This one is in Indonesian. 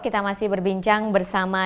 kita masih berbincang bersama